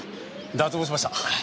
脱帽しました。